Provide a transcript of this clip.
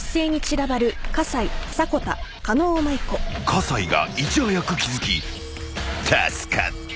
［笠井がいち早く気付き助かった］